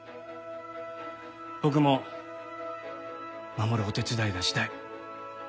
僕も守るお手伝いがしたい。